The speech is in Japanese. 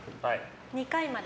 ２回まで。